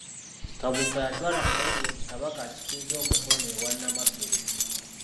Kabuuka y'atwala amawulire nti kabaka akisizza omukono ewa Namasole.